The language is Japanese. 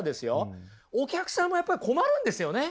お客さんもやっぱり困るんですよね！